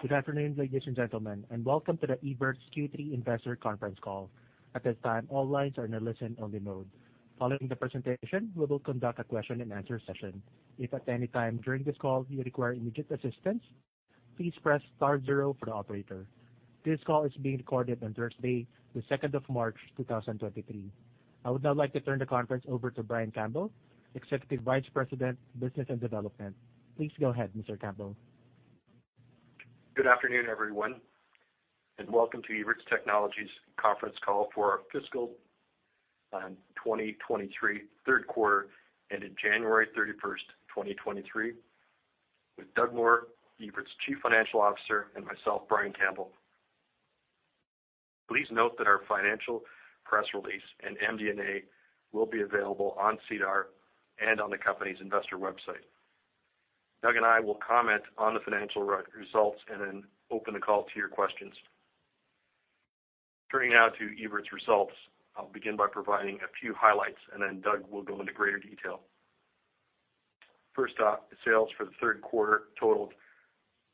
Good afternoon, ladies and gentlemen, and welcome to the Evertz Q3 Investor Conference Call. At this time, all lines are in a listen only mode. Following the presentation, we will conduct a question and answer session. If at any time during this call you require immediate assistance, please press star 0 for the operator. This call is being recorded on Thursday, the second of March, 2023. I would now like to turn the conference over to Brian Campbell, Executive Vice President, Business Development. Please go ahead, Mr. Campbell. Good afternoon, everyone, welcome to Evertz Technologies conference call for our fiscal 2023 third quarter ending January 31st, 2023. With Doug Moore, Evertz Chief Financial Officer, and myself, Brian Campbell. Please note that our financial press release and MD&A will be available on SEDAR and on the company's investor website. Doug and I will comment on the financial results and then open the call to your questions. Turning now to Evertz results. I'll begin by providing a few highlights, and then Doug will go into greater detail. First up, sales for the third quarter totaled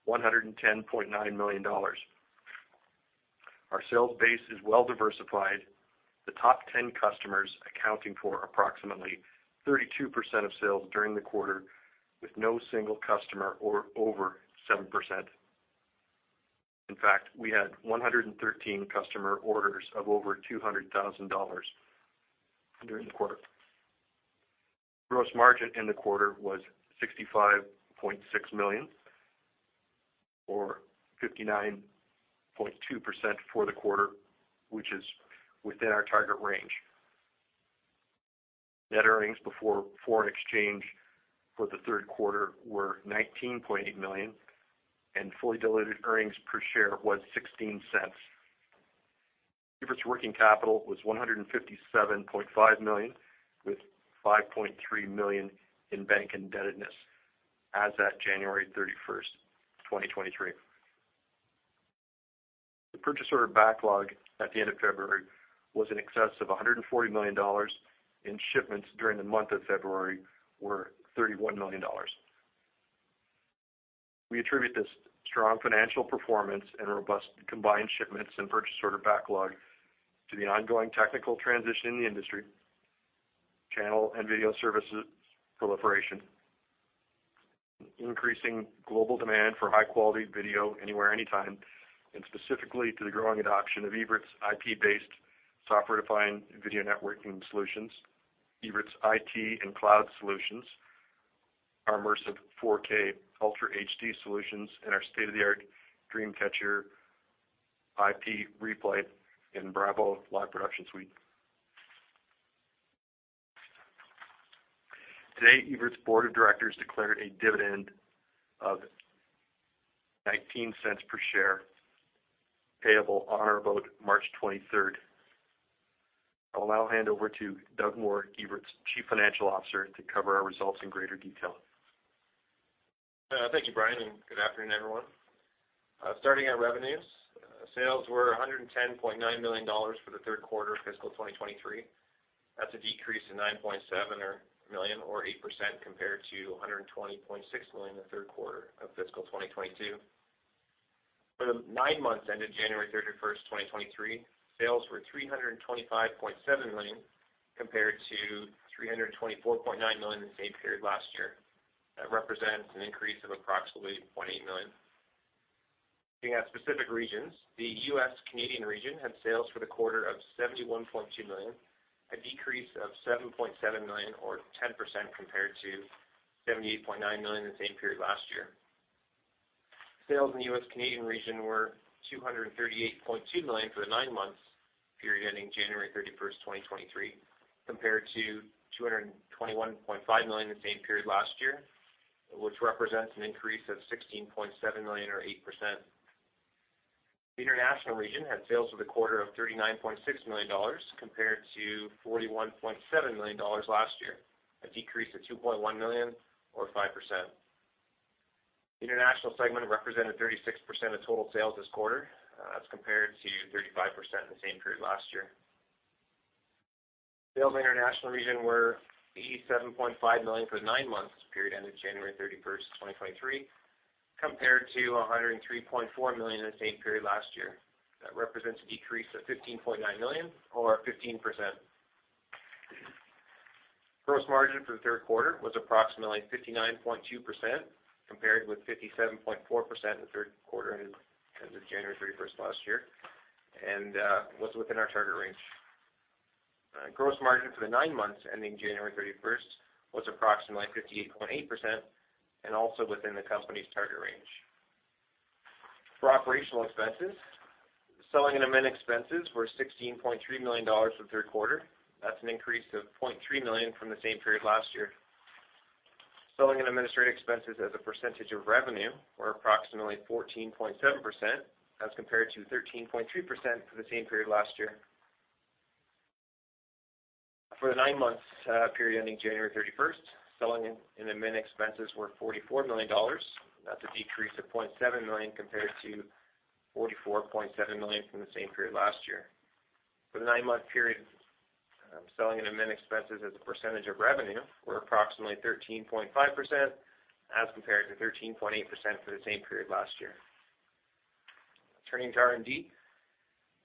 110.9 million dollars. Our sales base is well diversified, the top 10 customers accounting for approximately 32% of sales during the quarter, with no single customer or over 7%. In fact, we had 113 customer orders of over 200,000 dollars during the quarter. Gross margin in the quarter was 65.6 million or 59.2% for the quarter, which is within our target range. Net earnings before foreign exchange for the third quarter were 19.8 million and fully diluted earnings per share was 0.16. Evertz working capital was 157.5 million, with 5.3 million in bank indebtedness as at January 31st, 2023. The purchase order backlog at the end of February was in excess of 140 million dollars, and shipments during the month of February were 31 million dollars. We attribute this strong financial performance and robust combined shipments and purchase order backlog to the ongoing technical transition in the industry, channel and video services proliferation, increasing global demand for high quality video anywhere, anytime, and specifically to the growing adoption of Evertz IP-based Software Defined Video Networking solutions, Evertz IT and cloud solutions, our immersive 4K Ultra HD solutions, and our state of the art DreamCatcher IP replay and BRAVO live production suite. Today, Evertz Board of Directors declared a dividend of 0.19 per share, payable on or about March 23rd. I will now hand over to Doug Moore, Evertz Chief Financial Officer, to cover our results in greater detail. Thank you, Brian, good afternoon, everyone. Starting at revenues. Sales were 110.9 million dollars for the third quarter fiscal 2023. That's a decrease of 9.7 million or 8% compared to 120.6 million the third quarter of fiscal 2022. For the nine months ended January 31st, 2023, sales were 325.7 million, compared to 324.9 million the same period last year. That represents an increase of approximately 0.8 million. Looking at specific regions. The U.S. Canadian region had sales for the quarter of 71.2 million, a decrease of 7.7 million or 10% compared to 78.9 million the same period last year. Sales in the U.S. Canadian region were 238.2 million for the nine-month period ending January 31st, 2023, compared to 221.5 million the same period last year, which represents an increase of 16.7 million or 8%. The International region had sales for the quarter of 39.6 million dollars compared to 41.7 million dollars last year, a decrease of 2.1 million or 5%. International segment represented 36% of total sales this quarter. That's compared to 35% in the same period last year. Sales in the International region were 87.5 million for the nine-month period ending January 31st, 2023, compared to 103.4 million in the same period last year. That represents a decrease of 15.9 million or 15%. Gross margin for the third quarter was approximately 59.2%, compared with 57.4% in the third quarter ending January 31st last year, and was within our target range. Gross margin for the nine months ending January 31st was approximately 58.8% and also within the company's target range. For operational expenses, selling and admin expenses were 16.3 million dollars for the third quarter. That's an increase of 0.3 million from the same period last year. Selling and administrative expenses as a percentage of revenue were approximately 14.7% as compared to 13.2% for the same period last year. For the nine months period ending January 31st, selling and admin expenses were 44 million dollars. That's a decrease of 0.7 million compared to 44.7 million from the same period last year. For the nine-month period, selling and admin expenses as a percentage of revenue were approximately 13.5% as compared to 13.8% for the same period last year. Turning to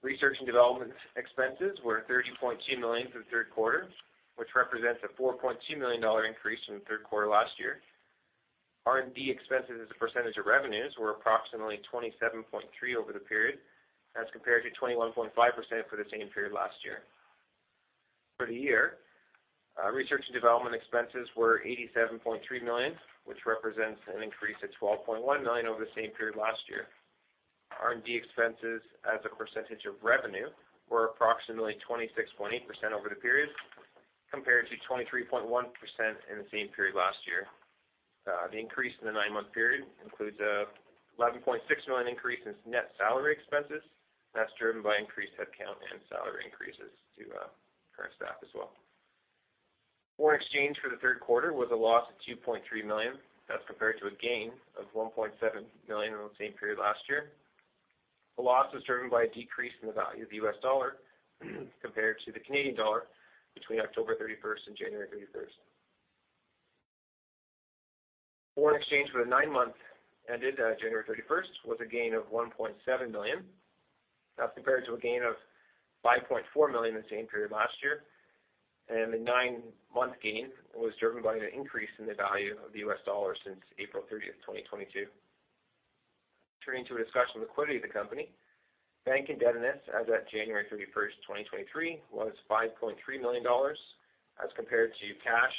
R&D. Research and development expenses were 30.2 million for the third quarter, which represents a 4.2 million dollar increase from the third quarter last year. R&D expenses as a percentage of revenues were approximately 27.3% over the period, as compared to 21.5% for the same period last year. For the year, research and development expenses were 87.3 million, which represents an increase of 12.1 million over the same period last year. R&D expenses as a percentage of revenue were approximately 26.8% over the period, compared to 23.1% in the same period last year. The increase in the nine-month period includes 11.6 million increase in net salary expenses. That's driven by increased headcount and salary increases to current staff as well. Foreign exchange for Q3 was a loss of 2.3 million. That's compared to a gain of 1.7 million in the same period last year. The loss was driven by a decrease in the value of the US dollar compared to the Canadian dollar between October 31st and January 31st. Foreign exchange for the nine months ended January 31st, was a gain of 1.7 million. That's compared to a gain of 5.4 million in the same period last year. The nine-month gain was driven by an increase in the value of the US dollar since April 30th, 2022. Turning to a discussion of liquidity of the company. Bank indebtedness as at January 31st, 2023 was 5.3 million dollars, as compared to cash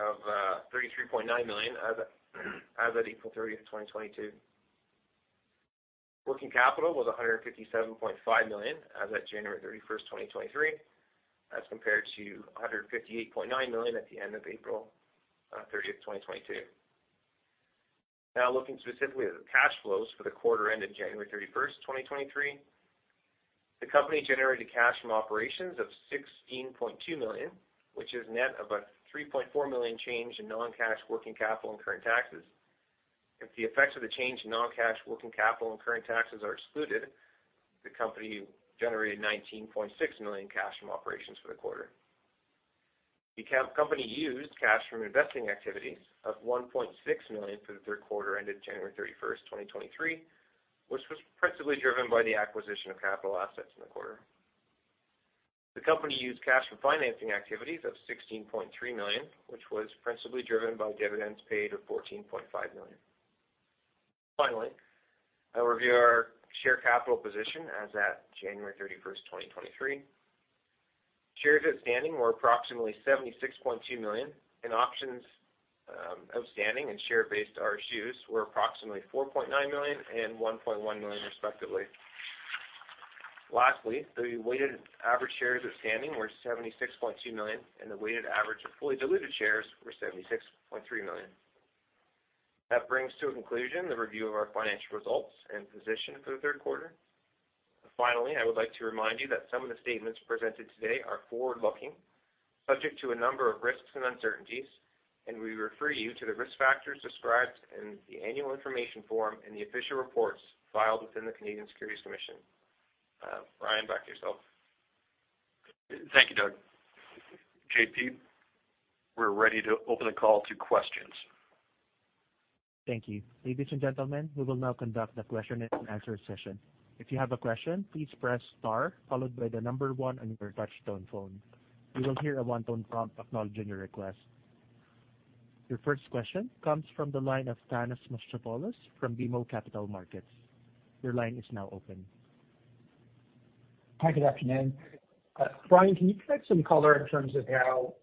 of 33.9 million as at April 30th, 2022. Working capital was 157.5 million as at January 31st, 2023, as compared to 158.9 million at the end of April 30th, 2022. Looking specifically at the cash flows for the quarter ended January 31st, 2023. The company generated cash from operations of 16.2 million, which is net of a 3.4 million change in non-cash working capital and current taxes. If the effects of the change in non-cash working capital and current taxes are excluded, the company generated 19.6 million cash from operations for the quarter. The company used cash from investing activities of 1.6 million for the third quarter ended January 31st, 2023, which was principally driven by the acquisition of capital assets in the quarter. The company used cash for financing activities of 16.3 million, which was principally driven by dividends paid of 14.5 million. Finally, I'll review our share capital position as at January 31st, 2023. Shares outstanding were approximately 76.2 million, and options outstanding and share-based RSUs were approximately 4.9 million and 1.1 million respectively. Lastly, the weighted average shares outstanding were 76.2 million, and the weighted average of fully diluted shares were 76.3 million. That brings to a conclusion the review of our financial results and position for the third quarter. I would like to remind you that some of the statements presented today are forward-looking, subject to a number of risks and uncertainties, and we refer you to the risk factors described in the annual information form in the official reports filed within the Canadian Securities Administrators. Brian, back to yourself. Thank you, Doug. JP, we're ready to open the call to questions. Thank you. Ladies and gentlemen, we will now conduct the question and answer session. If you have a question, please press star followed by the number one on your touchtone phone. You will hear a one-tone prompt acknowledging your request. Your first question comes from the line of Thanos Moschopoulos from BMO Capital Markets. Your line is now open. Hi, good afternoon. Brian, can you provide some color in terms of how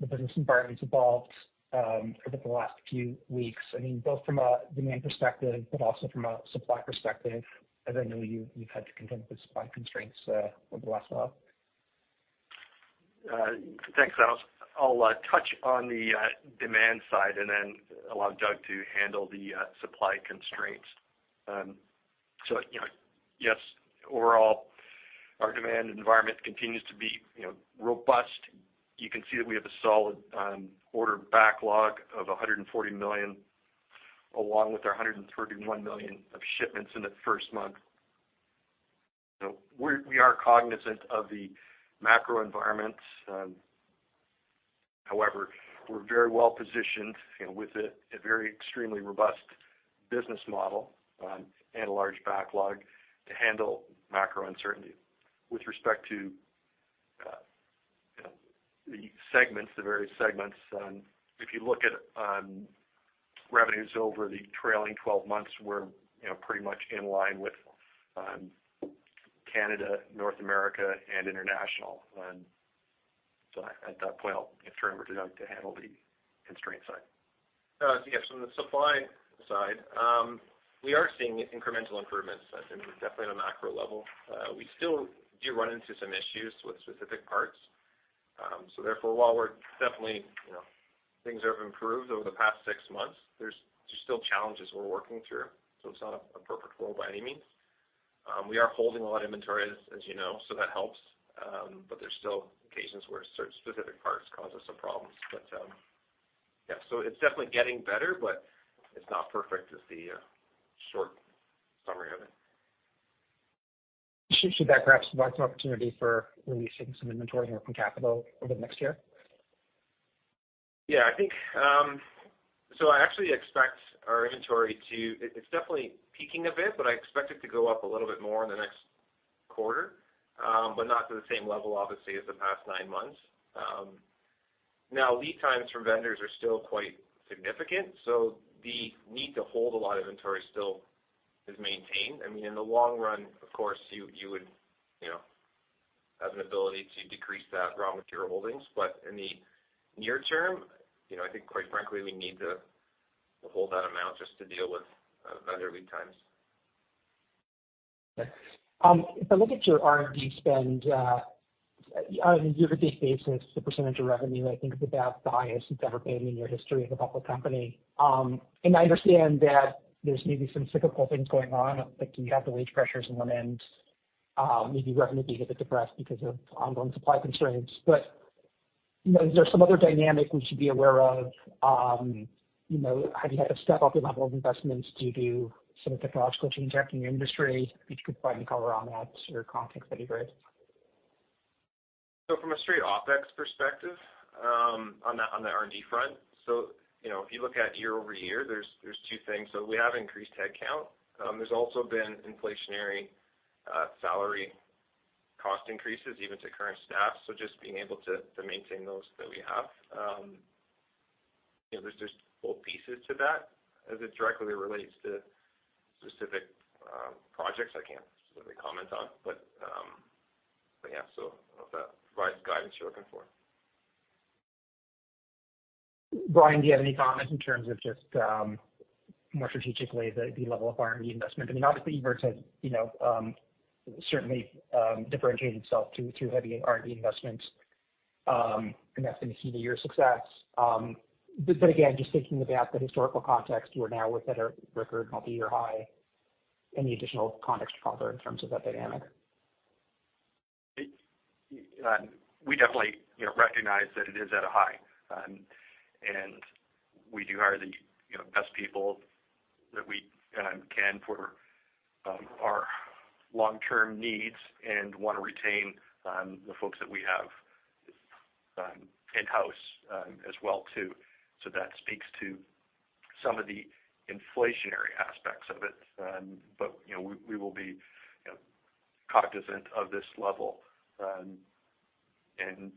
the business environment's evolved over the last few weeks? I mean, both from a demand perspective, but also from a supply perspective, as I know you've had to contend with supply constraints over the last while. Thanks, Thanos. I'll touch on the demand side and then allow Doug to handle the supply constraints. You know, yes, overall our demand environment continues to be, you know, robust. You can see that we have a solid order backlog of 140 million along with our 131 million of shipments in the first month. We are cognizant of the macro environment. However, we're very well positioned, you know, with a very extremely robust business model and a large backlog to handle macro uncertainty. With respect to, you know, the segments, the various segments, if you look at revenues over the trailing 12 months, we're, you know, pretty much in line with Canada, North America, and international. At that point, I'll turn over to Doug to handle the constraint side. Yes, from the supply side, we are seeing incremental improvements, definitely on a macro level. We still do run into some issues with specific parts. Therefore, while we're definitely, you know, things have improved over the past six months, there's still challenges we're working through, so it's not a perfect world by any means. We are holding a lot of inventory, as you know, so that helps. Specific parts cause us some problems. Yeah, so it's definitely getting better, but it's not perfect is the short summary of it. Should that perhaps provide some opportunity for releasing some inventory, working capital over the next year? Yeah, I think, I actually expect our inventory to it's definitely peaking a bit, but I expect it to go up a little bit more in the next quarter, but not to the same level obviously as the past nine months. Now lead times from vendors are still quite significant, so the need to hold a lot of inventory still is maintained. I mean, in the long run, of course, you would, you know, have an ability to decrease that raw material holdings. In the near term, you know, I think quite frankly, we need to hold that amount just to deal with vendor lead times. Okay. If I look at your R&D spend on a year-to-date basis, the percentage of revenue I think is about the highest it's ever been in your history as a public company. I understand that there's maybe some cyclical things going on, like you have the wage pressures on one end, maybe revenue can get a bit depressed because of ongoing supply constraints. You know, is there some other dynamic we should be aware of? You know, have you had to step up your level of investments due to some technological changes in your industry? If you could provide any color on that sort of context, that'd be great. From a straight OpEx perspective, on the R&D front, you know, if you look at year-over-year, there's two things. We have increased head count. There's also been inflationary salary cost increases even to current staff. Just being able to maintain those that we have. You know, there's just both pieces to that. As it directly relates to specific projects, I can't specifically comment on. Yeah, I don't know if that provides the guidance you're looking for. Brian, do you have any comment in terms of just more strategically the level of R&D investment? I mean, obviously, Evertz has, you know, certainly differentiated itself through heavy R&D investments, and that's been key to your success. Again, just thinking about the historical context, you are now at a record multiyear high. Any additional context to offer in terms of that dynamic? It, we definitely, you know, recognize that it is at a high. We do hire the, you know, best people that we can for our long-term needs and wanna retain the folks that we have in-house as well too. That speaks to some of the inflationary aspects of it. You know, we will be, you know, cognizant of this level and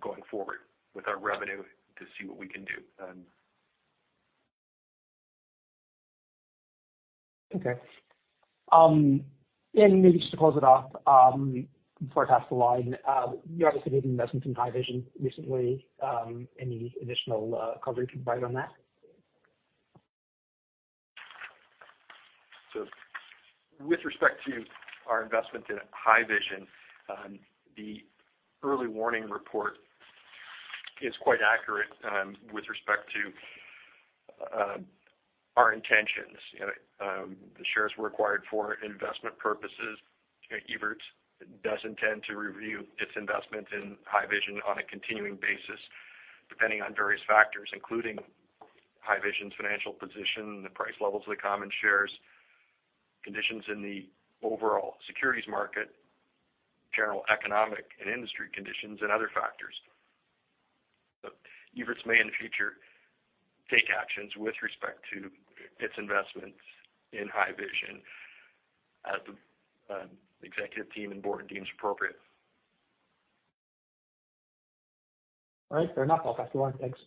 going forward with our revenue to see what we can do. Okay. Maybe just to close it off, before I pass the line. You obviously made an investment in Haivision recently. Any additional color you can provide on that? With respect to our investment in Haivision, the Early Warning Report is quite accurate with respect to our intentions. The shares were acquired for investment purposes. Evertz does intend to review its investment in Haivision on a continuing basis, depending on various factors including Haivision's financial position, the price levels of the common shares, conditions in the overall securities market, general economic and industry conditions, and other factors. Evertz may in the future take actions with respect to its investments in Haivision as the executive team and board deems appropriate. All right. Fair enough. I'll pass it on. Thanks.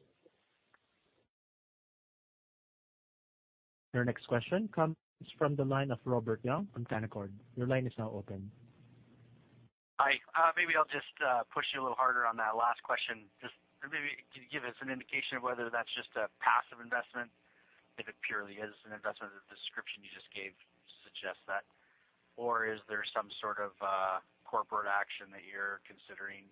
Your next question comes from the line of Robert Young from Canaccord. Your line is now open. Hi. maybe I'll just, push you a little harder on that last question. Maybe can you give us an indication of whether that's just a passive investment, if it purely is an investment, the description you just gave suggests that. Or is there some sort of, corporate action that you're considering?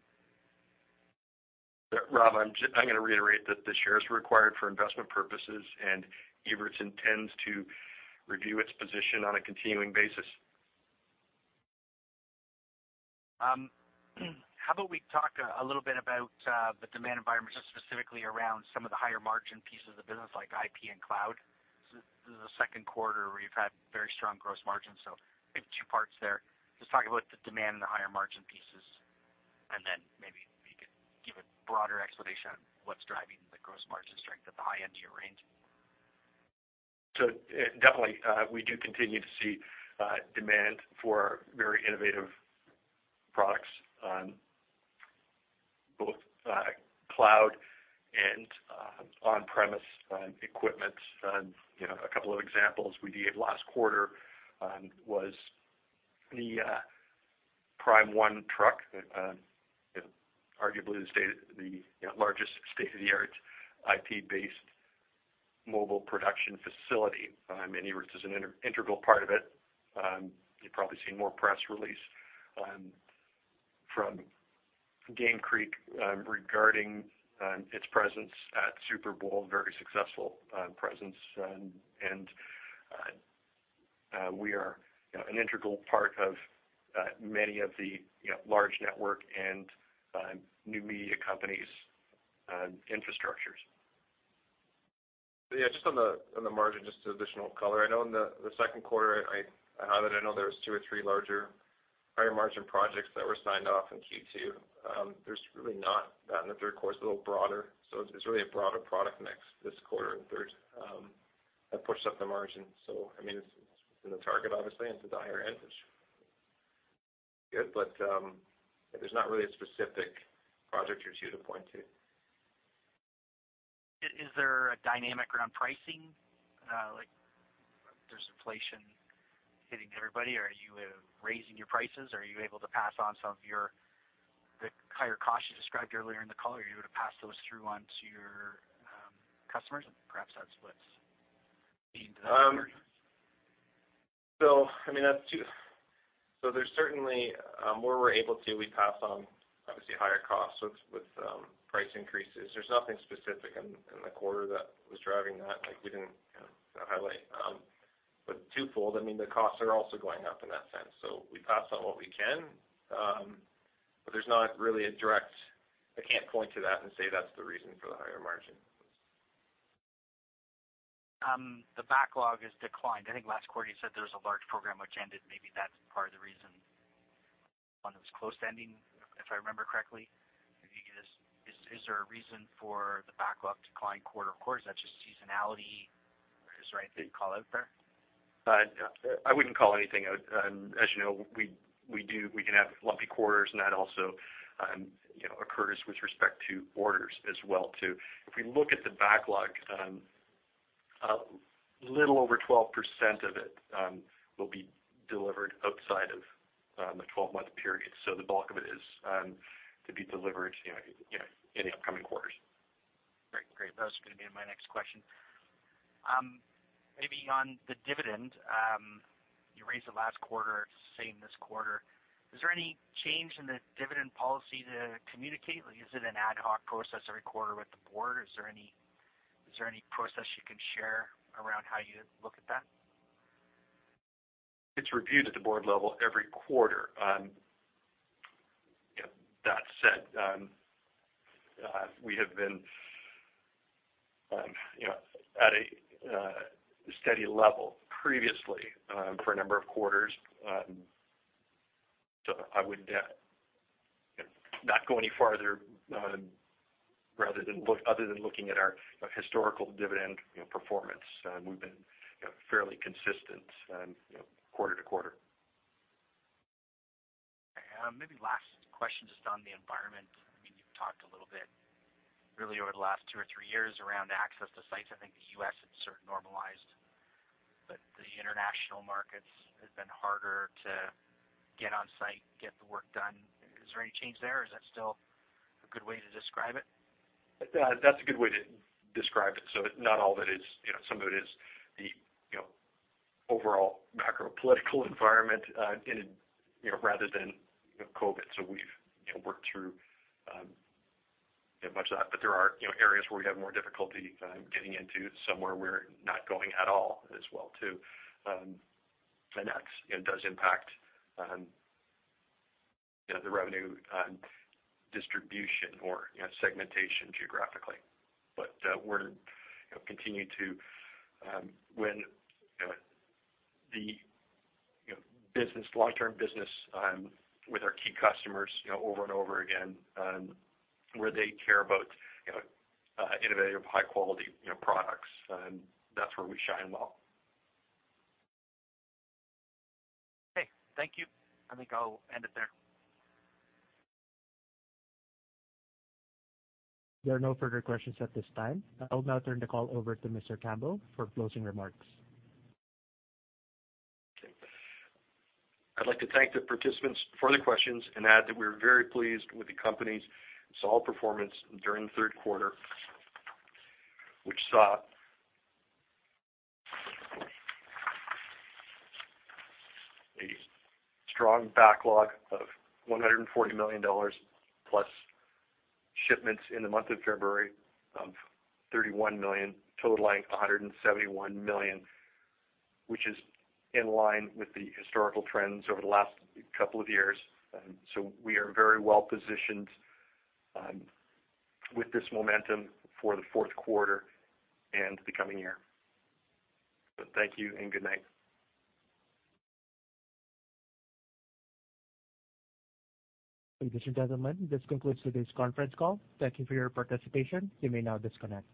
Robert, I'm going to reiterate that the shares were acquired for investment purposes, and Evertz intends to review its position on a continuing basis. How about we talk a little bit about the demand environment, just specifically around some of the higher margin pieces of the business like IP and Cloud. This is the second quarter where you've had very strong gross margins. I think two parts there. Just talk about the demand in the higher margin pieces, and then maybe you could give a broader explanation on what's driving the gross margin strength at the high end of your range. Definitely, we do continue to see demand for very innovative products, both cloud and on-premise equipment. You know, a couple of examples we gave last quarter was the Prime One truck, you know, arguably the largest state-of-the-art IP-based mobile production facility, and Evertz is an integral part of it. You've probably seen more press release from Game Creek regarding its presence at Super Bowl, very successful presence. We are, you know, an integral part of many of the, you know, large network and new media companies' infrastructures. Just on the margin, just additional color. I know in the second quarter, I highlighted there were two or three larger higher margin projects that were signed off in Q2. There's really not that in the third quarter. It's a little broader, so it's really a broader product mix this quarter in third that pushed up the margin. I mean, it's in the target obviously, and to the higher end, which is good, but there's not really a specific project or two to point to. Is there a dynamic around pricing? Like there's inflation hitting everybody. Are you raising your prices? Are you able to pass on some of your, the higher costs you described earlier in the call? Are you able to pass those through onto your customers? Perhaps that's what's leading to that query. I mean, there's certainly, where we're able to, we pass on obviously higher costs with price increases. There's nothing specific in the quarter that was driving that, like we didn't, you know, highlight. Twofold, I mean, the costs are also going up in that sense, so we pass on what we can. There's not really a direct. I can't point to that and say that's the reason for the higher margin. The backlog has declined. I think last quarter you said there was a large program which ended. Maybe that's part of the reason, one that was close to ending, if I remember correctly. Is there a reason for the backlog decline quarter-over-quarter? Is that just seasonality? Is there anything you'd call out there? I wouldn't call anything out. As you know, We can have lumpy quarters and that also, you know, occurs with respect to orders as well, too. If we look at the backlog, a little over 12% of it will be delivered outside of a 12-month period. The bulk of it is to be delivered, you know, in the upcoming quarters. Great. Great. That was gonna be my next question. Maybe on the dividend, you raised it last quarter. It's the same this quarter. Is there any change in the dividend policy to communicate? Like is it an ad hoc process every quarter with the board? Is there any process you can share around how you look at that? It's reviewed at the board level every quarter. You know, that said, we have been, you know, at a steady level previously, for a number of quarters. I would, you know, not go any farther, other than looking at our historical dividend, you know, performance. We've been, you know, fairly consistent, you know, quarter to quarter. Maybe last question, just on the environment. I mean, you've talked a little bit really over the last two or three years around access to sites. I think the U.S. has sort of normalized, but the international markets has been harder to get on site, get the work done. Is there any change there, or is that still a good way to describe it? That's a good way to describe it. Not all of it is, you know. Some of it is the, you know, overall macro political environment, in, you know, rather than, you know, COVID. We've, you know, worked through much of that. There are, you know, areas where we have more difficulty getting into, some where we're not going at all as well, too. And that's, you know, does impact, you know, the revenue, distribution or, you know, segmentation geographically. We're, you know, continue to win, the, you know, business, long-term business, with our key customers, you know, over and over again, where they care about, you know, innovative, high quality, you know, products, and that's where we shine well. Okay. Thank you. I think I'll end it there. There are no further questions at this time. I'll now turn the call over to Mr. Campbell for closing remarks. Okay. I'd like to thank the participants for the questions and add that we're very pleased with the company's solid performance during the third quarter, which saw a strong backlog of 140 million dollars, plus shipments in the month of February of 31 million, totaling 171 million, which is in line with the historical trends over the last couple of years. We are very well positioned with this momentum for the fourth quarter and the coming year. Thank you and good night. Ladies and gentlemen, this concludes today's conference call. Thank you for your participation. You may now disconnect.